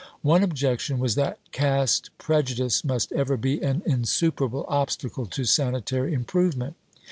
One objection was that caste prejudice must ever be an insuperable obstacle to sanitary improvement.